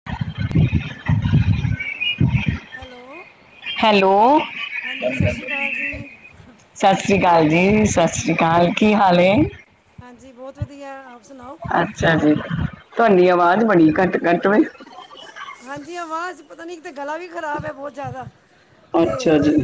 [unintelligible] Hello hello ਹਾਂਜੀ ਸਤਿ ਸ਼੍ਰੀ ਅਕਾਲ ਜੀ ਸਸ੍ਰੀ ਕਾਲ ਜੀ ਸਸ੍ਰੀ ਕਾਲ ਕੀ ਹਾਲ ਏ ਹਾਂਜੀ ਬਹੁਤ ਵਧੀਆ ਆਪ ਸੁਨਾਓ ਅੱਛਾ ਜੀ ਤੁਹਾਡੀ ਆਵਾਜ਼ ਬਣੀ ਘੱਟ ਘੱਟ ਵੇ ਹਾਂਜੀ ਆਵਾਜ਼ ਪਤਾ ਨੀ ਤੇ ਗਲਾ ਵੀ ਖਰਾਬ ਐ ਬਹੁਤ ਜਿਆਦਾ ਤੇ ਅੱਛਾ ਜੀ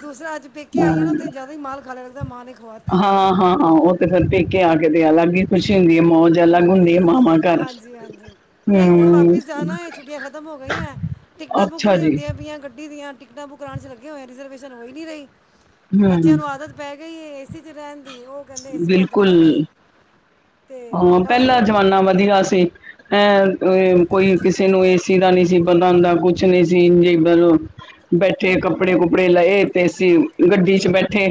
ਦੂਸਰਾ ਅੱਜ ਪੇਕੇ ਆਈਏ ਨਾ ਹਮ, ਉੱਥੇ ਜਿਆਦਾ ਹੀ ਮਾਲ ਕਰ ਦਾ ਮਣੀ [unintelligible] ਹਾਂ ਹਾਂ ਹਾਂ ਉਹ ਤੇ ਫਿਰ ਪੇਕੇ ਆ ਕੇ ਤੇ ਅਲੱਗ ਹੀ ਖ਼ੁਸ਼ੀ ਹੁੰਦੀ ਏ ਮੌਜ ਅਲੱਗ ਹੁੰਦੀ ਹੈ ਹਾਂਜੀ ਮਾਵਾਂ ਘਰ ਹਾਂਜੀ ਹਾਂਜੀ ਨਹੀਂ ਹੁਣ ਹਮ ਵਾਪਿਸ ਜਾਣਾ ਏ ਛੁੱਟੀਆਂ ਖ਼ਤਮ ਹੋ ਗਈਆਂ ਟਿਕਟਾਂ ਬੁੱਕ ਅੱਛਾ ਨਹੀਂ ਜੀ ਹੁੰਦੀਆਂ ਪਈਆਂ ਗੱਡੀ ਦੀਆਂ ਟਿਕਟਾਂ ਬੁੱਕ ਕਰਾਣ ਚ ਲੱਗੇ ਹੋਏ ਰਿਜਰਵੇਸ਼ਨ ਹੋਈ ਨੀ ਰਹੀ ਬੱਚਿਆਂ ਹਮ ਨੂੰ ਆਦਤ ਪੈ ਗਈ ਏ ਏਸੀ ਚ ਰਹਿਣ ਦੀ ਉਹ ਕਹਿੰਦੇ ਏਸੀ ਵੇਰ ਜਾਣਾ ਬਿਲਕੁਲ ਨਹੀਂ ਤੇ ਹਾਂ [unintelligible] ਬਸ ਪਹਿਲਾ ਜ਼ਮਾਨਾ ਵਧੀਆ ਸੀ ਐ ਕੋਈ ਕਿਸੇ ਨੂੰ ਏਸੀ ਦਾ ਨਹੀਂ ਸੀ ਪਤਾ ਹੁੰਦਾ ਕੁਛ ਨਹੀਂ ਸੀ [unintelligible] ਬੈਠੇ ਕੱਪੜੇ ਕੁਪੜੇ ਲਏ ਤੇ ਅਸੀ ਗੱਡੀ ਚ ਬੈਠੇ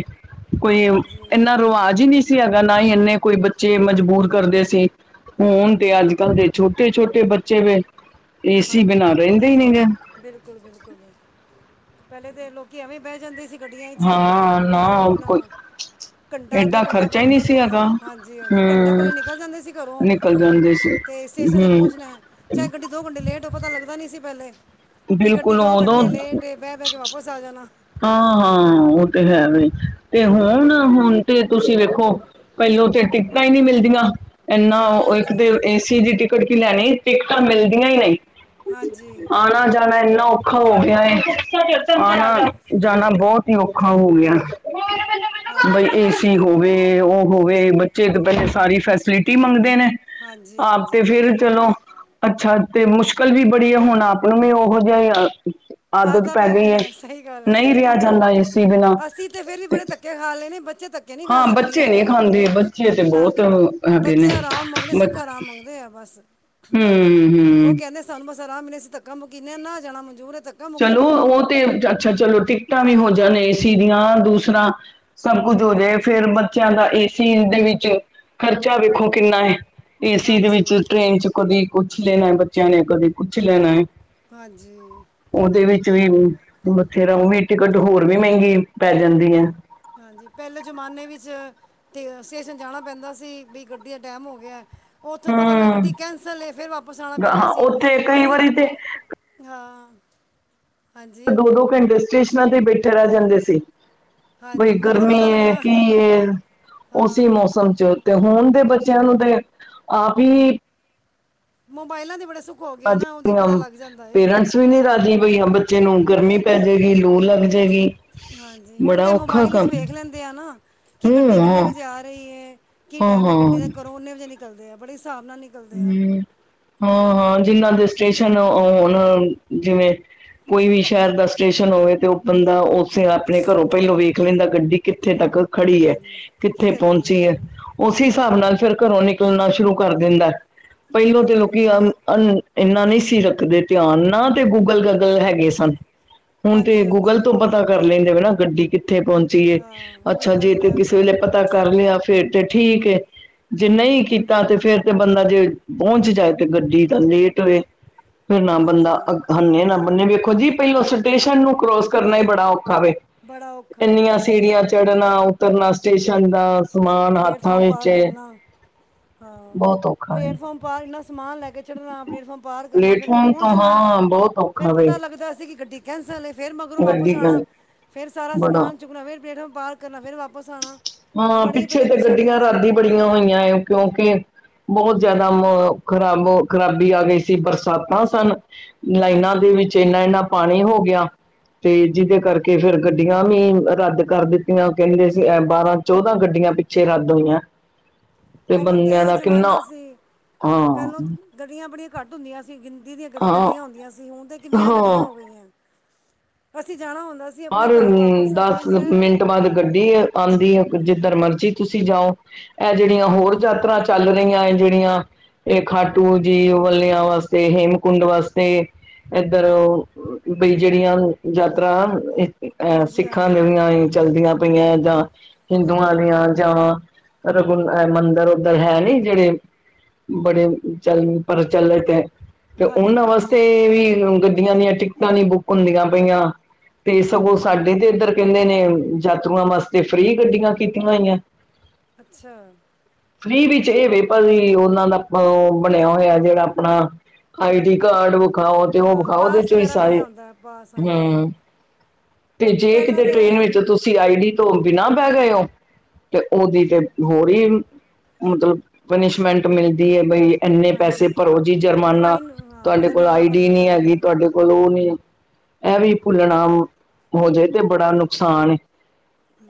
ਕੋਈ ਹਾਂਜੀ ਇੰਨਾ ਰਵਾਜ਼ ਹੀ ਨਹੀਂ ਸੀ ਹੈਗਾ ਨਾ ਹੀ ਇੰਨੇ ਕੋਈ ਬੱਚੇ ਮਜਬੂਰ ਕਰਦੇ ਸੀ ਹੁਣ ਤੇ ਅੱਜ ਕੱਲ੍ਹ ਦੇ ਛੋਟੇ ਛੋਟੇ ਬੱਚੇ ਵੇ ਏਸੀ ਹਾਂਜੀ ਬਿਨਾਂ ਰਹਿੰਦੇ ਹੀ ਨੀ ਗੇ ਬਿਲਕੁਲ ਬਿਲਕੁਲ ਬਿਲ ਪਹਿਲੇ ਤੇ ਲੋਕੀ ਐਵੇਂ ਬਹਿ ਜਾਂਦੇ ਸੀ ਗੱਡੀਆਂ ਇ ਚ ਅ ਹਾਂ ਨਾ ਅਪਣਾ ਕੋਈ ਘੰਟਾ ਅੱਧਾ ਐਡਾ ਘੰਟਾ ਖਰਚਾ ਹੀ ਪਹਲੇ ਨਹੀਂ ਨਿਕਲ ਸੀ ਜਾਂਦ ਹੈਗਾ ਹਾਂਜੀ ਹਾਂਜੀ ਘੰਟਾ ਹੂੰ ਪਹਲੇ ਨਿਕਲ ਜਾਂਦੇ ਸੀ ਘਰੋਂ ਨਿਕਲ ਜਾਂਦੇ ਸੀ ਤੇ ਸਟੇਸ਼ਨ ਤੇ ਹੂੰ ਪਹੁੰਚਣਾ ਐ ਚਾਹੇ ਗੱਡੀ ਦੋ ਘੰਟੇ ਲੇਟ ਹੋ ਪਤਾ ਲੱਗਦਾ ਨੀ ਸੀ ਪਹਿਲੇ ਕਿ ਗੱਡੀ ਬਿਲਕੁਲ ਦੋ ਘੰਟੇ ਉਦੋਂ ਲੇਟ ਏ ਬਹਿ ਬਹਿ ਕੇ ਵਾਪਸ ਆ ਜਾਨਾ ਹਾਂ ਹਾਂ ਉਹ ਤੇ ਹੈ ਵੇ ਤੇ ਹੁਣ ਹੁਣ ਤੇ ਤੁਸੀਂ ਵੇਖੋ ਪਹਿਲੋਂ ਤੇ ਟਿਕਟਾਂ ਹੀ ਨਹੀਂ ਮਿਲਦੀਆਂ ਇੰਨਾ ਇੱਕ ਹਾਂਜੀ ਦੇ ਏਸੀ ਦੀ ਟਿਕਟ ਕੀ ਲੈਣੀ ਟਿਕਟਾਂ ਮਿਲਦੀਆਂ ਹੀ ਨਹੀਂ ਹਾਂਜੀ ਆਣਾ ਜਾਣਾ ਇੰਨਾ ਔਖਾ ਹੋ ਗਿਆ ਏ ਆਣਾ ਜਾਣਾ ਬਹੁਤ ਹੀ ਔਖਾ ਹੋ ਗਿਆ [inaudible] ਬਈ ਹਾਂਜੀ ਏਸੀ ਹੋਵੇ ਉਹ ਹੋਵੇ ਬੱਚੇ ਤੋਂ [unintelligible] ਪਹਿਲੇ ਸਾਰੀ ਫੈਸਿਲਿ ਟੀ ਮੰਗਦੇ ਨੇ ਹਾਂਜੀ ਆਪ ਤੇ ਹਾਂਜੀ ਫੇਰ ਚਲੋ ਅੱਛਾ ਤੇ ਮੁਸ਼ਕਿਲ ਵੀ ਬੜੀ ਆ ਹੁਣ ਆਪ ਉਹਨੂੰ ਵੀ ਉਹੋ ਜਿਹਾ ਈ ਅ ਆਦਤ ਆਦਤਾਂ ਪੈ ਗਈ ਏ ਗਈਆਂ ਸਹੀ ਗੱਲ ਹੈ ਨਹੀਂ ਰਿਹਾ ਜਾਂਦਾ ਇਸਦੀ ਬਿਨਾਂ ਅਸੀਂ ਫਿਰ ਵੀ ਤੇ ਬੜੇ ਧੱਕੇ ਖਾ ਲਏ ਨੇ ਬੱਚੇ ਧੱਕੇ ਨਹੀਂ ਖਾ ਹਾਂ ਸਕਦੇ ਬੱਚੇ ਗੱਡੀਆਂ ਨਹੀਂ ਦੇ ਖਾਂਦੇ ਬੱਚੇ ਤੇ ਨਾ ਬਹੁਤ ਜੀ ਨਾ ਹੈਗੇ ਨੇ ਬੱਚੇ ਆਰਾਮ ਮੰਗਦੇ ਮ ਸੁੱਖ ਆਰਾਮ ਮੰਗਦੇ ਆ ਬਸ ਹਮ ਉਹ ਹਮ ਕਹਿੰਦੇ ਸਾਨੂੰ ਬਸ ਆਰਾਮ ਮਿਲਿਆ ਸੀ ਧੱਕ ਮੁ ਮੀਨੇ ਨਾ ਜਾਣਾ ਮਨਜੂਰ ਤੱਕ ਚਲੋ ਉਹ ਤੇ ਅੱਛਾ ਚਲੋ ਟਿਕਟਾਂ ਵੀ ਹੋ ਜਾਣ ਏਸੀ ਦੀਆਂ ਦੂਸਰਾ ਸਭ ਕੁੱਝ ਹੋ ਜਾਏ ਫੇਰ ਬੱਚਿਆਂ ਦਾ ਏਸੀ ਦੇ ਵਿੱਚ ਖ਼ਰਚਾ ਵੇਖੋ ਕਿੰਨਾ ਐ ਏਸੀ ਦੇ ਵਿੱਚ ਹਾਂਜੀ ਟ੍ਰੇਨ ਚ ਕਦੇ ਕੁਛ ਲੇਣਾ ਏ ਬੱਚਿਆਂ ਨੇ ਕਦੇ ਕੁਛ ਲੈਣਾ ਏ ਹਾਂਜੀ ਉਹਦੇ ਵਿੱਚ ਵੀ ਮੱਥੇ ਰ ਟਿਕਟ ਹੋਰ ਵੀ ਮਹਿੰਗੀ ਪੈ ਜਾਂਦੀ ਏ। ਹਾਂਜੀ ਪਹਿਲੇ ਜ਼ਮਾਨੇ ਵਿੱਚ ਤੇ ਸਟੇਸ਼ਨ ਜਾਣਾ ਪੈਂਦਾ ਸੀ ਬਈ ਗੱਡੀ ਦਾ ਟੈਮ ਹੋ ਗਿਆ। ਉੱਥੋਂ ਪਤਾ ਲਗ ਹਮ ਗੱਡੀ ਕੈਂਸਲ ਏ ਫੇਰ ਵਾਪਸ ਆਣਾ ਪੈਂਦਾ ਹਾਂ ਸੀ ਉੱਥੇ ਕਈ ਹੁਣ ਵਾਰੀ ਤੇ ਹਾਂ। ਹਾਂਜੀ ਦੋ ਦੋ ਘੰਟੇ ਸਟੇਸ਼ਨਾਂ ਤੇ ਬੈਠੇ ਰਹਿ ਜਾਂਦੇ ਸੀ। ਹਾਂਜੀ ਬਈ ਮਗਰੋਂ ਗਰਮੀ ਪਤਾ ਏ ਲੱਗਣਾ ਕੀ ਏ ਉਸੀ ਹਾਂ ਮੌਸਮ ਚ ਤੇ ਹੁਣ ਦੇ ਬੱਚੇਆਂ ਨੂੰ ਤੇ ਆਪ ਈ ਮੋਬਾਇਲਾਂ ਦੇ ਬੜੇ ਸੁੱਖ ਹੋ ਗਏ ਏ ਅੱਜ ਨਾ ਉਹਦੇ ਦੀਆਂ ਪਤਾ ਲੱਗ ਜਾਂਦਾ ਏ। ਪੇਰੈਂਟਸ ਨਹੀਂ ਰਾਜੀ ਬਈ ਹ ਬੱਚੇ ਨੂੰ ਗਰਮੀ ਪੈ ਜਾਏਗੀ ਲੂ ਲੱਗ ਜਾਏਗੀ [unintelligible] ਹਾਂਜੀ ਹੁਣ ਬੜਾ ਤੇ ਔਖਾ ਮੋਬਾਇਲ ਇਚ ਕੰਮ ਵੇਖ ਲੈਂਦੇ ਆ ਨਾ। ਕਿ ਹੂੰ ਗੱਡੀ ਹਾਂ ਕਿੰਨੇ ਵਜੇ ਆ ਰਹੀ ਏ ਕੀ ਹਾਂ ਟਾਈਮ ਹਾਂ ਏ ਗੱਡੀ ਦਾ ਹੂੰ ਘਰੋਂ ਉਨੇ ਵਜੇ ਨਿਕਲਦੇ ਆ ਬੜੇ ਹਸਾਬ ਨਾਲ ਨਿਕ ਹੁ ਹਾਂ ਹਾਂ ਜਿੰਨਾਂ ਦੇ ਸਟੇਸ਼ਨ ਹੁਨ ਜਿਵੇਂ ਕੋਈ ਵੀ ਸ਼ਹਿਰ ਦਾ ਸਟੇਸ਼ਨ ਹੋਵੇ ਤੇ ਉਹ ਬੰਦਾ ਉਸੇ ਆਪਣੇ ਘਰੋਂ ਪਹਿਲੋਂ ਵੇਖ ਲੈਂਦਾ ਗੱਡੀ ਕਿੱਥੇ ਤੱਕ ਖੜੀ ਹੈ ਕਿੱਥੇ ਪਹੁੰਚੀ ਹੈ ਉਸੀ ਹਿਸਾਬ ਨਾਲ ਫੇਰ ਘਰੋਂ ਨਿਕਲਣਾ ਸ਼ੁਰੂ ਕਰ ਦਿੰਦਾ। ਪਹਿਲੋਂ ਤੇ ਹਾਂਜੀ ਲੋਕੀ ਅਮ ਅਨ ਏਂਨਾ ਨਹੀਂ ਸੀ ਰੱਖਦੇ ਧਿਆਨ ਨਾ ਤੇ ਗੂਗਲ ਗਾਗਲ ਹੈਗੇ ਸਨ। ਹੁਨ ਤੇ ਹਾਂਜੀ ਗੂਗਲ ਹਾਂਜੀ ਤੋਂ ਪਤਾ ਕਰ ਲੈਂਦੇਵੇ ਨਾ ਗੱਡੀ ਕਿੱਥੇ ਪਹੁੰਚ ਏ ਹਾਂ ਅੱਛਾ ਗੂਗਲ ਜੇ ਤੇ ਮੈਪ ਕਿਸੇ ਸਭ ਵੇਲੇ ਪਤਾ ਕਰ ਲਿਆ ਫੇਰ ਤੇ ਠੀਕ ਏ। ਜੇ ਹੂੰ ਨਹੀਂ ਕੀਤਾ ਤੇ ਫੇਰ ਤੇ ਬੰਦਾ ਜੇ ਪੋਹਂਚ ਜਾਏ ਤੇ ਗੱਡੀ ਤਾਂ ਲੇਟ ਹੋਏ। ਫੇਰ ਨਾ ਬੰਦਾ ਹਾਂਜੀ ਅ ਹਨੇ ਨਾ ਬੰਨੇ ਵੇਖੋ ਜੀ ਪਹਿਲੋ ਸਟੇਸ਼ਨ ਨੂੰ ਕਰੋਸ ਕਰਨਾ ਹੀ ਬੜਾ ਔਖ ਖਾਵੇ ਬੜਾ ਔਖਾ ਵੇ ਏਨੀਆਂ ਬਿਲਕੁਲ ਸੀੜੀਆਂ ਚੜ੍ਹਨਾ ਉਤਰਨਾ ਸਟੇਸ਼ਨ ਦਾ ਸਮਾਨ ਹੱਥਾਂ ਪਲੇਟਫਾਰਮ ਵਿੱਚ ਪਾਰ ਏ ਕਰਨਾ ਹਾਂ ਬੋਤ ਔਖ ਪਲੇਟਫਾਰਮ ਪਾਰ ਇੰਨਾ ਸਮਾਨੈ ਲੈਕੇ ਚੜ੍ਹਣਾ ਪਲੇਟਫਾਰਮ ਪਾਰ ਕਰਨਾ ਫੇਰ ੳਥੇ ਪਲੇਟਫਾਰਮ ਤੋਂ ਪਹੁੰਚਣਾ ਹਾਂ ਬਹੁਤ ਫੇਰ ਔਖਾ ਵੇ ਪਤਾ ਲੱਗਦਾ ਸੀ ਕਿ ਗੱਡੀ ਕੈਂਸਲ ਏ ਫੇਰ ਮਗਰੋਂ ਵਾਪਸ ਗੱਡੀ ਕ ਆਣਾ। ਫੇਰ ਸਾਰਾ ਬੜਾ ਸਮਾਨ ਚੁੱਕਣਾ ਫੇਰ ਪਲੇਟ ਫਾਰਮ ਪਾਰ ਕਰਨਾ ਫੇਰ ਵਾਪਸ ਆਣਾ। ਹਾਂ ਪਿੱਛੇ ਤੇ ਗੱਡੀਆਂ ਰਾਰਾਦੀ ਬੜੀਆਂ ਹੋਈਆਂ ਕਿਉਂਕਿ ਬਹੁਤ ਹਾਂ ਜਿਆਦਾ [unintelligible] ਖਰਾਬੋ ਖ਼ਰਾਬੀ ਆ ਗਈ ਸੀ ਬਰਸਾਤਾਂ ਸਨ ਲਾਈਨਾਂ ਦੇ ਹਾਂਜੀ ਵਿੱਚ ਏਨਾ ਏਨਾ ਪਾਣੀ ਹੋ ਗਿਆ ਤੇ ਜਿਹਦੇ ਕਰਕੇ ਫੇਰ ਗੱਡੀਆਂ ਵੀ ਰੱਦ ਕਰ ਦਿੱਤ ਨਾ ੳਹ ਕਹਿੰਦੇ ਸੀ ਬਾਰਾਂ ਚੌਦਾਂ ਗੱਡੀਆਂ ਪਿੱਛੇ ਰੱਦ ਹੋਈਆਂ। ਤੇ ਪਹਿਲੋਂ ਬੰਦਿਆਂ ਦਾ ਕਿੰਨਾ ਜ਼ਮਾਨਾ ਸੀ ਹਾਂ। ਪਹਿਲੋਂ ਗੱਡੀਆਂ ਬੜੀਆਂ ਘੱਟ ਹੁੰਦੀਆਂ ਸੀਂ ਗਿ ਦੀਆਂ ਹਾਂ ਗੱਡੀਆਂ ਹੋਂਦੀਆਂ ਸੀ ਹੁਣ ਤੇ ਕਿੰਨੀਆਂ ਗੱਡੀਆਂ ਹਾਂ ਹੋ ਗਈਆਂ ਅਸੀਂ ਜਾਣਾ ਹੋਂਦਾ ਹਰ ਦਸ ਮਿੰਟ ਬਾਅਦ ਗੱਡੀ ਆਂਦੀ ਹੈ ਹਾਂਜੀ ਜਿੱਧਰ ਮਰਜ਼ੀ ਤੁਸੀਂ ਜਾਓ ਇਹ ਜਿਹੜੀਆਂ ਹੋਰ ਹਾਂਜੀ ਯਾਤਰਾ ਚੱਲ ਰਹੀਆਂ ਜਿਹੜੀਆਂ ਇਹ ਖਾਟੂ ਜੀ ਵੱਲਿਆਂ ਵਾਸਤੇ ਹੇਮਕੁੰਟ ਵਾਸਤੇ ਏਧਰ ਬਈ ਜਿਹੜੀਆਂ ਯਾਤਰਾ ਅ ਹਾਂਜੀ ਸਿੱਖਾਂ ਹਾਂਜੀ ਦੀਆਂ ਵੀ ਚੱਲਦੀਆਂ ਪਈਆਂ ਜਾਂ ਹਿੰਦੂਆਂ ਦੀਆਂ ਜਾਂਵਾ ਰਘੁ ਮੰਦਰ ਉੱਧਰ ਹੈ ਨੀ ਜੇਹੜੇ ਬੜੇ ਚਲ ਪ੍ਰਚਲਿਤ ਹੈ। ਤੇ ਹਾਂਜੀ ਉਹਨਾਂ ਹਾਂਜੀ ਵਾਸਤੇ ਵੀ ਗੱਡੀਆਂ ਦੀਆਂ ਟਿਕਟਾਂ ਨਹੀਂ ਬੁੱਕ ਹੁੰਦੀਆਂ ਪਈਆਂ। ਤੇ ਸਗੋਂ ਹਾਂਜੀ ਸਾਡੇ ਤੇ ਇੱਧਰ ਕਹਿੰਦੇ ਨੇ ਯਾਤਰੂਆਂ ਵਾਸਤੇ ਫ੍ਰਰੀ ਗੱਡੀਆਂ ਕੀਤੀਆਂ ਹੋਈਆਂ। ਅੱਛਾ। ਫਰੀ ਵਿੱਚ ਇਹ ਵੇ ਭਾ ਜ ਉਹਨਾਂ ਦਾ ਆਪਾਂ ਬਣਿਆ ਹੋਇਆ ਜੇਹੜਾ ਆਪਣਾ ਆਈ ਡੀ ਕਾਰਡ ਵਖਾਓ ਤੇ ਉਹ ਹਾਂ ਵਖਾਓ ੳਦੇ ਪਾਸ ਚ ਵੀ ਵਗੈਰਾ ਬਣਿਆ ਸਾਰੇ ਹੁੰਦਾ ਪਾਸ ਹੁ ਹਾਂਜੀ ਤੇ ਤਾਂ ਜੇ ਪਹਿਲਾਂ ਕਿਤੇ ਤਾਂ ਇਹ ਟ੍ਰੇਨ ਸੀ ਵਿੱਚ ਤੁਸੀਂ ਆਈ ਡੀ ਤੋਂ ਬਿਨਾਂ ਬਹਿ ਗਏ ਓ ਤੇ ਉਹਦੀ ਤੇ ਹੋਰ ਹੀ ਮਤਲਬ ਪਨਿਸ਼ਮੈਂਟ ਮਿਲਦੀ ਹੈ ਬਈ ਇੰਨੇ ਪੈਸੇ ਹਾਂਜੀ ਭਰੋ ਜੀ ਜੁਰਮਾਨਾ। ਫਾਈਨ ਹਾਂ ਤੁਹਾਡੇ ਕੋਲ ਜੁਰਮਾਨਾ ਆਈ ਡੀ ਭਰਨਾ ਨਹੀਂ ਹੈਗੀ, ਪੈਂਦਾ ਤੁਹਾਡੇ ਕੋਲ ਲ ਉਹ ਨਹੀਂ ਇਹ ਵੀ ਭੁੱਲਣਾ ਹੋ ਜਾਏ ਤੇ ਬੜਾ ਨੁਕਸਾਨ ਏ।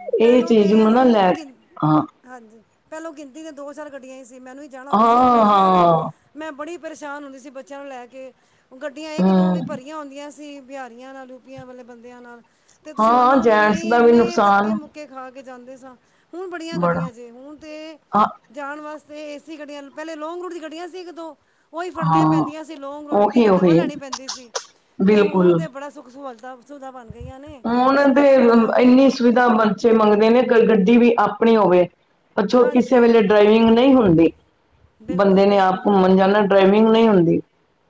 ਹੂੰ, ਇਹ ਪਹਿਲੋਂ ਚੀਜ਼ ਤੇ ਨੂੰ ਨਾ ਅਸੀਂ ਲੈ ਗਿਣ ਹਾਂ ਹਾਂਜੀ। ਪਹਿਲਾਂ ਗਿਣਤੀ ਦੇ ਦੋ-ਚਾਰ ਗੱਡੀਆਂ ਹੀ ਸੀ, ਮੈਨੂੰ ਹੀ ਜਾਣਾ ਹੁੰਦਾ ਸੀ ਹਾਂ ਆਪਣੇ ਸ਼ਹਿਰ ਹਾਂ ਮੈਂ ਬੜੀ ਪਰੇਸ਼ਾਨ ਹੁੰਦੀ ਸੀ ਬੱਚਿਆਂ ਨੂੰ ਲੈ ਕੇ, ਗੱਡੀਆਂ ਇੱਕ ਦੋ ਵੀ ਹਮ ਭਰੀਆਂ ਹੁੰਦੀਆਂ ਸੀ ਬਿਹਾਰੀਆਂ ਨਾਲ ਰੂਪੀਆਂ ਵਾਲੇ ਬੰਦਿਆਂ ਨਾਲ ਤੇ ਤੁਸੀਂ ਹਾਂ ਮੰਨੋਗੇ ਜੈਂਟਸ ਨਹੀਂ ਦਾ ਵੀ ਇੰਨੇ ਤ ਨੁਕਸਾਨ ਧੱਕੇ ਖਾ ਕੇ ਜਾਂਦੇ ਸਾਂ, ਹੁਣ ਬੜੀਆਂ ਬੜਾ ਗੱਡੀਆਂ ਜੇ ਹੁਣ ਤੇ ਹਾਂ ਜਾਣ ਵਾਸਤੇ ਏਸੀ ਗੱਡੀਆਂ ਪਹਿਲੇ ਲੌਂਗ ਰੂਟ ਦੀ ਗੱਡੀਆਂ ਸੀ ਇੱਕ ਦੋ ਉ ਹੀ ਫੜਨੀਆਂ ਹਾਂ ਪੈਂਦੀਆਂ ਸੀ ਲੌਂਗ ਰੂਟ ਉਹੀ ਟਿਕਟ ਡਬਲ ਉਹੀ ਲੈਣੀ ਪੈਂਦੀ ਸੀ ਅਤੇ ਹੁਣ ਬਿਲਕੁਲ ਤਾਂ ਬੜਾ ਸੁੱਖ ਸਹੁਲਤਾਂ ਸੁਵਿਧਾ ਬਣ ਗਈਆਂ ਨੇ ਹੁਣ ਤੇ ਸਹੂਲਤਾਂ ਬੜੀਆਂ ਹੋ ਇੰਨੀ ਗਈਆਂ ਸੁਵਿਧਾ ਬਣ ੇਬਚੇ ਮੰਗਦੇ ਨੇ ਗੱਡੀ ਵੀ ਆਪਣੀ ਹੋਵੇ, ਅੱਛੋਂ ਕਿਸੇ ਹਾਂਜੀ ਵੇਲੇ ਡਰਾਈਵਿੰਗ ਨਹੀਂ ਹੁੰਦੀ ਬਿਲਕੁਲ ਬੰਦੇ ਨੇ ਆਪ ਬਿਲਕੁਲ ਘੁੰਮਣ ਜਾਣਾ, ਡਰਾਈਵਿੰਗ ਨਹੀਂ ਹੁੰਦੀ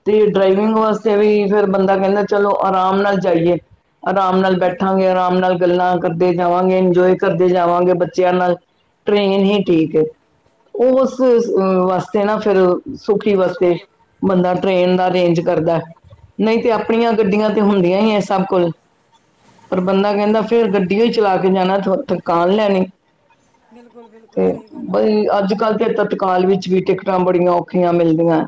ਤੇ ਬਿਲਕੁਲ ਡਰਾਈਵਿੰਗ ਥਕਾਵਟ ਹੋ ਵਾਸਤੇ ਜਾਂਦੀ ਵੀ ਫਿਰ ਬੰਦਾ ਕਹਿੰਦਾ ਚਲੋ ਆਰਾਮ ਨਾਲ ਜਾਈਏ, ਆਰਾਮ ਨਾਲ ਬਿਲਕੁਲ ਬੈਠਾਂਗੇ, ਆਰਾਮ ਨਾਲ ਗੱਲਾਂ ਕਰਦੇ ਜਾਵਾਂਗੇ, ਇੰਜੋਏ ਕਰਦੇ ਜਾਵਾਂਗੇ ਬੱਚਿਆਂ ਨਾਲ, ਟ੍ਰਰੇਨ ਹੀ ਠੀਕ। ਏ। ਉਹ ਉਸ ਵਾਸਤੇ ਨਾ ਫਿਰ ਸੁਖੀ ਵਰਤੇ ਬੰਦਾ ਟ੍ਰਰੇਨ ਦਾ ਅਰੇਂਜ ਕਰਦਾ, ਨਹੀਂ ਤੇ ਆਪਣੀਆਂ ਗੱਡੀਆਂ ਤਾਂ ਹੁੰਦੀਆਂ ਹੀ ਏ ਸਭ ਕੋਲ। ਪਰ ਬੰਦਾ ਕਹਿੰਦਾ ਫੇਰ ਗੱਡੀਓ ਈ ਚਲਾ ਕੇ ਜਾਣਾ ਥਕਾਨ ਲੈਣੀ। ਬਿਲਕੁਲ ਬਿਲਕੁਲ ਤੇ ਸਹੀ ਗੱਲ ਹੈ ਬਈ ਅੱਜ- ਕੱਲ੍ਹ ਤਤੱ ਕਾਲ ਵਿੱਚ ਵੀ ਟਿਕਟਾਂ ਬੜੀਆਂ ਔਖੀਆਂ ਮਿਲਦੀਆਂ।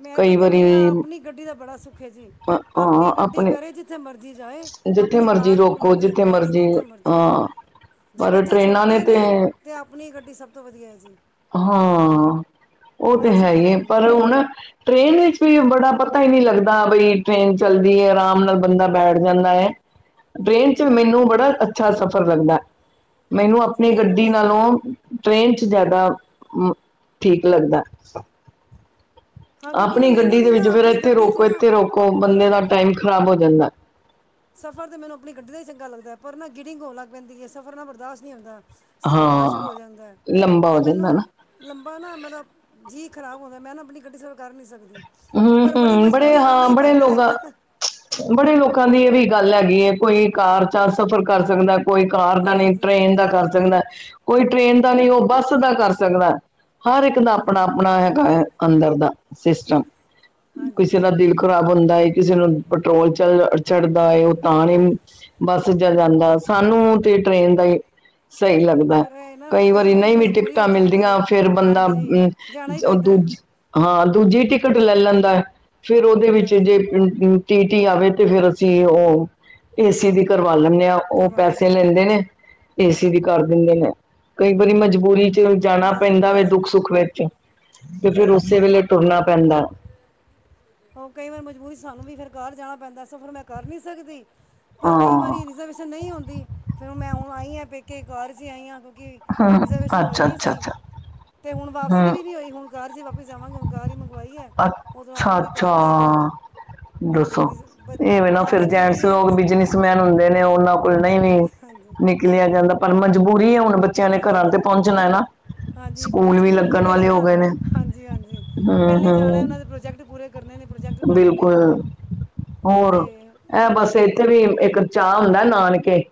ਮੈਂ ਤੇ ਕਈ ਵਾਰੀ ਕਹਿੰਦੀ ਹਾਂ ਆਪਣੀ ਗੱਡੀ ਦਾ ਬੜਾ ਸੁੱਖ ਹੈ ਜੀ, ਹਾਂ ਆਪਣੀ ਗੱਡੀ ਆਪਣੇ ਕਰੇ ਜ ਜਿੱਥੇ ਮਰਜ਼ੀ ਜਾਏ ਜਿੱਥੇ ਆਪਣੀ ਮਰਜ਼ੀ ਕਾਰ-ਕੂਰ ਰੋਕੋ ਲਵੇ, ਜਿੱਥੇ ਬਸ ਜਿੱਥੇ ਮਰਜ਼ੀ ਹਾਂ ਜੇ ਪਰ ਬੱਚੇ ਟ੍ਰੇਨਾਂ ਛੋਟੇ ਨੇ, ਤੇ ਤਾਂ ਆਪਣੀ ਗੱਡੀ ਸਭ ਤੋਂ ਵਧੀਆ ਹੈ ਜੀ। ਹਾਂ। ਉਹ ਤੇ ਬੜਾ ਹੈ ਸੁੱਖ ਹੀ ਹੈ, ਆਰਾਮ ਪਰ ਹੁਣ ਟ੍ਰਰੇਨ ਵਿੱਚ ਵੀ ਬੜਾ ਪਤਾ ਹੀ ਨਹੀਂ ਲੱਗਦਾ, ਬਈ ਟ੍ਰੇਨ ਚੱਲਦੀ ਏ, ਆਰਾਮ ਨਾਲ ਬੰਦਾ ਬੈਠ ਜਾਂਦਾ ਏ। ਟ੍ਰਰੇਨ 'ਚ ਬਿਲਕੁਲ ਮੈਨੂੰ ਬੜਾ ਅੱਛਾ ਸਫ਼ਰ ਲੱਗਦਾ ਹੈ। ਮੈਨੂੰ ਹਾਂਜੀ ਆਪਣੀ ਮੈਨੂੰ ਗੱਡੀ ਵੀ ਨਾਲੋਂ ਟ੍ਰੇਨ 'ਚ ਜ਼ਿਆਦਾ ਠੀਕ ਲੱਗਦਾ। ਹਾਂ ਕਿਉਂਕਿ ਨਾ ਆਪਣੀ ਮੈਨੂੰ ਗੱਡੀ ਦੇ ਵੀ ਵਿੱਚ ਨਾ ਫੇਰ ਆਪਣੀ ਇੱਥੇ ਗੱਡੀ 'ਚ ਰੋਕੋ- ਨਾ ਇੱਥੇ ਰੋਕੋ ਬੰਦੇ ਦਾ ਹਾਂ ਟਾਈਮ ਖ਼ਰਾਬ ਹੋ ਜਾਂਦੈ। ਸਫ਼ਰ ਤਾਂ ਮੈਨੂੰ ਆਪਣੀ ਗੱਡੀ ਦਾ ਹੀ ਚੰਗਾ ਲੱਗਦਾ, ਪਰ ਨਾ ਗਿਡਿੰਗ ਹੋਣ ਲੱਗ ਪੈਂਦੀ ਹੈ, ਸਫ਼ਰ ਨਾਲ ਬਰਦਾਸ਼ਤ ਨਹੀਂ ਹੁੰਦਾ। ਸਿਰ ਘੁੰਮਣਾ ਹਾਂ ਸ਼ੁਰੂ ਹੋ ਜਾਂਦਾ ਹੈ ਲੰਬਾ ਅਤੇ ਹੋ ਮੈਨੂੰ ਜਾਂਦਾ ਨਾ। ਲੰਬਾ ਨਾ ਮਤਲਬ ਜੀਅ ਖ਼ਰਾਬ ਹੁੰਦਾ, ਮੈਂ ਨਾ ਆਪਣੀ ਗੱਡੀ ਸਫ਼ਰ ਕਰ ਨਹੀਂ ਸਕਦੀ। ਹਮ- ਪਰ ਬੜੀ ਹਮ। ਬੜੇ ਮਜਬੂਰੀ ਆਣਾ ਹਾਂ ਹੀ ਬੜੇ ਪੈਂਦਾ ਹੈ ਲੋਗਾਂ ਬੜੇ ਲੋਕਾਂ ਦੀ ਇਹ ਵੀ ਗੱਲ ਹੈਗੀ ਹੈ, ਕੋਈ ਕਾਰ ਚ ਸਫ਼ਰ ਕਰ ਸਕਦਾ ਕੋਈ ਕਾਰ ਦਾ ਨਹੀਂ, ਹਾਂਜੀ ਟ੍ਰਰੇਨ ਦਾ ਕਰ ਸਕਦਾ। ਕੋਈ ਟ੍ਰੇਨ ਦਾ ਨਹੀਂ, ਉਹ ਬੱਸ ਦਾ ਕਰ ਸਕਦਾ। ਹਰ ਇੱਕ ਦਾ ਆਪਣਾ- ਹਾਂਜੀ ਆਪਣਾ ਹੈਗਾ ਹੈ ਅੰਦਰ ਦਾ ਸਿਸਟਮ। ਹਾਂਜੀ ਕਿਸੇ ਦਾ ਦਿਲ ਖ਼ਰਾਬ ਹੁੰਦਾ ਹੈ, ਕਿਸੇ ਨੂੰ ਪੈਟਰੋਲ ਚੱਲ ਚੜਦਾ ਹੈ, ਉਹ ਤਾਂ ਨਹੀਂ ਬੱਸ ਜਾਂਦਾ, ਹਾਂਜੀ ਸਾਨੂੰ ਤੇ ਟ੍ਰੇਨ ਦਾ ਹੀ ਸਹੀ ਲੱਗਦਾ। ਪਰ ਇਹ ਨਾ ਕਈ ਵਾਰੀ ਨਹੀਂ ਵੀ ਮਜਬੂਰੀ ਟਿਕਟਾਂ ਹੋ ਜਾਂਦੀ ਮਿਲਦੀਆਂ ਹੈ ਫੇਰ ਬੰਦਾ ਹਾਂਜੀ ਜਾਣਾ ਹੀ ਅ ਪੈਂਦਾ ਹੈ। ਦੂਜ ਹਾਂ ਦੂਜੀ ਟਿਕਟ ਲੈ ਲੈਂਦਾ, ਫੇਰ ਉਹਦੇ ਵਿੱਚ ਜੇ ਹਾਂਜੀ ਟੀ ਟੀ ਆਵੇ ਤੇ ਫੇਰ ਅਸੀਂ ਉਹ ਏਸੀ ਦੀ ਕਰਵਾ ਲੈਂਦੇ ਹਾਂ, ਉਹ ਕਰਵਾ ਪੈਸੇ ਲਈਦੀ ਹੈ ਲੈਂਦੇ ਨੇ ਏ ਸੀ ਵੀ ਕਰ ਦਿੰਦੇ ਨੇ। ਕਈ ਵਾਰੀ ਮਜਬੂਰੀ ਚ ਜਾਣਾ ਪੈਂਦਾ ਮਜਬੂਰੀ ਵ ਦੁੱਖ- 'ਚ ਸੁੱਖ ਵਿੱਚ ਤੇ ਫਿਰ ਉਸੇ ਵੇਲੇ ਟੁਰਨਾ ਪੈਂਦਾ ਓ ਕਈ ਵਾਰ ਮਜਬੂਰੀ ਸਾਨੂੰ ਵੀ ਫਿਰ ਕਾਰ ਜਾਣਾ ਪੈਂਦਾ ਸਫਰ ਮੈਂ ਕਰ ਨੀ ਸਕਦੀ ਪਰ ਕਈ ਹਾਂ ਵਾਰੀ ਰਿਜਰਵੇਸ਼ਨ ਨਈ ਹੁੰਦੀ, ਫਿਰ ਮੈਂ ਹੁਣ ਆਈ ਹਾਂ ਪੇਕੇ ਕਾਰ ਚ ਈ ਆਈ ਆ। ਗੀ ਹਮ ਰਿਜ਼ਰਵੇਸ਼ਨ ਹੋਈ ਅੱਛਾ ਨੀ ਅੱਛਾ ਸੀ। ਅੱਛਾ ਤੇ ਹੁਣ ਵਾਪਸੀ ਦੀ ਹਮ ਵੀ ਨੀ ਹੋਈ, ਹੁਣ ਕਾਰ ਚ ਈ ਵਾਪਸ ਜਾਵਾਂਗੇ ਹੁਣ ਕਾਰ ਈ ਮੰਗਵਾਈ ਐ। ਅੱਛਾ। ਘੱਰ ਲੈ ਗਏ। ਦੱਸੋ ਇਵੇਂ ਨਾ ਫੇਰ ਜਾਣਾ ਜੈਂਟਸ ਜ਼ਰੂਰੀ ਹੈ ਲੋਕ ਬਿਜਨੇਸ ਮੈਨ ਹੁੰਦੇ ਨੇ ਓਨਾਂ ਕੋਲ ਨਈ ਵੀ ਹਾਂਜੀ ਨਿਕਲੇਆ ਜਾਂਦਾ। ਪਰ ਮਜਬੂਰੀ ਏ ਹੁਣ ਬੱਚਿਆਂ ਨੇ ਕਰਾਂ ਤੇ ਹਾਂਜੀ ਪੋਂਚਣਾ ਏ ਨਾ। ਹਾਂਜੀ ਵੀ ਸਕੂਲ ਖੁੱਲ ਲੱਗਣ ਕੇ ਨੇ ਵਾਲੇ ਹੋ ਨਾ ਗਏ ਹਾਂਜੀ-ਹਾਂਜੀ ਹਮ ਪੈਲੇ ਜਾਣਾ ਹਮ ਏਨਾਂ ਦੇ ਪ੍ਰੋਜੈਕਟ ਪੂਰੇ ਕਰਨੇ ਨੇ ਪ੍ਰੋਜੈਕਟ ਬਨਾਣੇ ਨੇ ਬਿਲਕੁਲ ਤੇ ਐ ਬਸ ਏਥੇ ਵੀ ਇੱਕ ਚਾਹ ਹੁੰਦਾ ਨਾਨਕੇ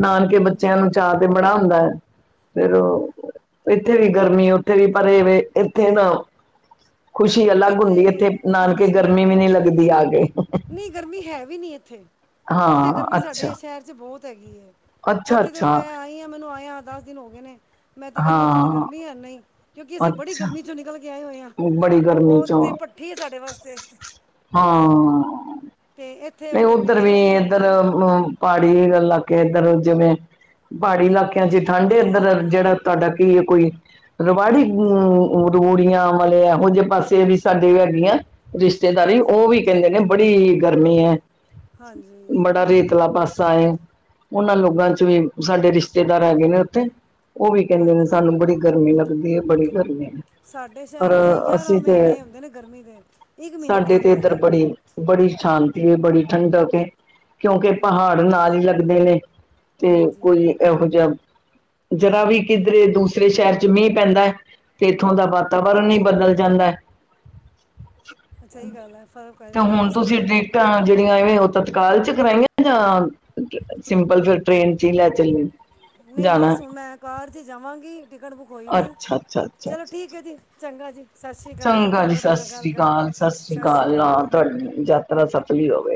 ਨਾਨਕੇ ਬੱਚਿਆਂ ਹਾਂਜੀ ਨੂੰ ਚਾਅ ਤੇ ਬੜਾ ਹੁੰਦਾ ਫਿਰ ਓ ਏਥੇ ਵੀ ਗਰਮੀ ਓਥੇ ਵੀ ਪਰ ਏਵੇ ਏਥੇ ਨਾ ਖੁਸ਼ੀ ਅਲੱਗ ਇੱਥੇ ਹੁੰਦੀ ਏ ਤੇ ਨਾਨਕੇ ਹਾਂਜੀ ਗਰਮੀ ਵੀ ਨੀ ਲੱਗਦੀ ਆਕੇ। ਏਨੀ ਗਰਮੀ ਹੈ ਵੀ ਨੀ ਏਥੇ। ਓਥੇ ਗਰਮੀ ਸਾਡੇ ਅੱਛਾ ਸ਼ਹਿਰ ਚ ਬੋਹੁਤ ਹੈਗੀ ਏ ਅੱਛਾ ਐਥੇ ਤੇ ਅੱਛਾ ਮੈਂ ਆਈ ਆ ਮੈਨੂੰ ਆਯਾ ਦੱਸ ਦਿਨ ਹੋ ਗਏ ਨੇ ਮੈਂ ਤੇ ਕੈਣੀ ਆ ਇੱਥੇ ਤੇ ਹਾਂ ਗਰਮੀ ਹੈਨੀ ਕਿਉਂਕਿ ਅਸੀਂ ਬੜੀ ਅੱਛਾ ਗਰਮੀ ਚੋਂ ਨਿਕਲ ਕੇ ਆਏ ਹੋਏ ਆਮ। ਬੜੀ ਗਰ ਓ ਤੇ ਪੱਠੀ ਏ ਸਾਡੇ ਵਾਸਤੇ, ਤੇ ਏ ਨਈ ਓਧਰ ਵੀ ਏਧਰ ਅ ਪਾੜੀ ਲਾਗੇ ਦੇ ਏਧਰ ਜਿਵੇਂ ਪਾੜੀ ਇਲਾਕੇ ਜੇ ਠੰਡ ਏ ਅੰਦਰ ਹਾਂ ਜੇੜਾ ਤੁਆਡਾ ਕੀ ਏ ਕੋਈ ਰਵਾੜੀ ਰੂੜ ਯਾ ਐ ਵਾਲੇ ਐਹੋ ਜੇ ਪਾਸੇ ਵੀ ਸਾਡੇ ਹੈਗੀਐ- ਰਿਸ਼ਤੇਦਾਰੀ ਹਾਂਜੀ ਓ ਵੀ ਕੈਂਦੇ ਨੇ ਬੜੀ ਗਰਮੀ ਐ। ਹਾਂਜੀ ਬੜਾ ਰੇਤਲਾ ਪਾਸਾ ਏ। ਓਨਾਂ ਲੋਗਾ ਚ ਵੀ ਸਾਡੇ ਰਿਸ਼ਤੇਦਾਰ ਹੈਗੇ ਨੇ ਓਥੇ ਓ ਵੀ ਕੈਂਦੇ ਨੇ ਹਾਂਜੀ ਸਾਨੂੰ ਬੜੀ ਗਰਮੀ ਲੱਗਦੀ ਏ ਬੜੀ ਗਰਮੀ ਏ। ਸਾਡੇ ਸ਼ੈਰ ਤੇ ਯਾਅਰਾਂ ਮੀਨੇ ਹੁੰਦੇ ਨੇ ਗਰਮੀ ਦੇ ਇੱਕ ਮੀਨਾ ਸਾਡੇ ਠੰਡ ਤੇ ਦਾ ਇੱਧਰ ਜੇ। ਬੜੀ ਬੜੀ ਸ਼ਾਂਤੀ ਏ ਬੜੀ ਠੰਡਕ ਏ। ਕਿਉਂਕਿ ਹਾਂਜੀ ਪਹਾੜ ਨਾਲ ਈ ਲੱਗਦੇ ਨੇ ਤੇ ਹਾਂਜੀ ਕੋਈ ਐਹੋ ਜੇਆ ਜਰਾ ਵੀ ਕਿੱਧਰੇ ਦੂਸਰੇ ਸ਼ੈਰ ਚ ਮੀ ਪੈਂਦਾ ਤੇ ਇੱਥੋਂ ਦਾ ਵਾਤਾ ਵਰਨ ਈ ਬਦਲ ਜਾਂਦਾ। ਅੱੱਛ ਸਈ ਗੱਲ ਐ ਫਰਕ ਪੈ ਜਾਂਦਾ ਮੌਸਮ ਨਾਲ ਤਾਂ ਜੇੜੀਆਂ ਐਵੇਂ ਓ ਤਤਕਾਲ ਚ ਕਰਾਈਆਂ ਜਾਂ ਸਿੰਪਲ ਫਿਰ ਟ੍ਰੇਨ ਚ ਈ ਲੈ ਚੱਲਿਏ ਨਈ ਬਸ ਹੁਣ ਮੈਂ ਕਾਰ ਚ ਈ ਜਾਵਾਂਗੀ ਟਿਕਟ ਬੁੱਕ ਹੋਈ ਨੀ ਅੱਛਾ ਅੱਛਾ ਅੱਛਾ ਚਲੋ ਅੱਛਾ ਠੀਕ ਏ ਜੀ ਚੰਗਾ ਜੀ। ਸਤਿ ਸ਼੍ਰੀ ਅਕਾਲ ਚੰਗਾ ਜੀ ਲੱਗਾ ਤੁਹਾਡੇ ਸਾਸ ਨਾਲ ਗੱਲ ਸ੍ਰੀ ਕਰਕੇ ਕਾਲ-ਸਾਸ ਸ੍ਰੀ ਸਤਿ ਸ਼੍ਰੀ ਕਾਲ ਅਕਾਲ ਹਾਂ ਤੁਆਡੀ ਯਾਤਰਾ ਸਫਲੀ ਹੋਵੇ।